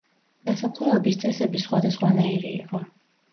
დასაფლავების წესები სხვადასხვანაირი იყო.